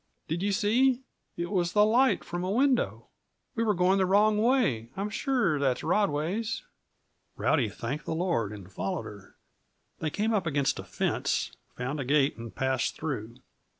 "Did you see? It was the light from a window. We were going the wrong way. I'm sure that is Rodway's." Rowdy thanked the Lord and followed her. They came up against a fence, found a gate, and passed through.